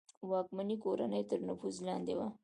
واکمنې کورنۍ تر نفوذ لاندې وه.